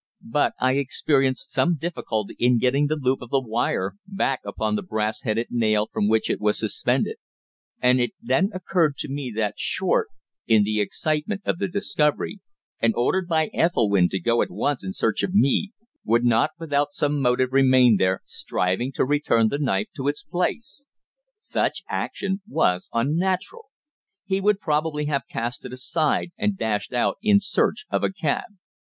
But I experienced some difficulty in getting the loop of wire back upon the brass headed nail from which it was suspended; and it then occurred to me that Short, in the excitement of the discovery, and ordered by Ethelwynn to go at once in search of me, would not without some motive remain there, striving to return the knife to its place. Such action was unnatural. He would probably have cast it aside and dashed out in search of a cab.